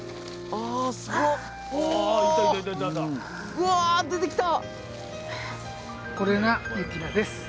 うわ出てきた！